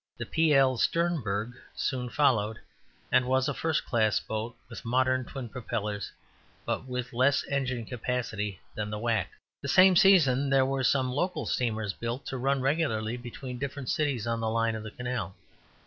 The P. L. Sternburg soon followed, and was a first class boat, with modern twin propellers, but with less engine capacity than the Wack. The same season there were some local steamers built to run regularly between different cities on the line of the canal.